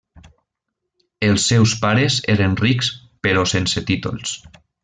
Els seus pares eren rics però sense títols.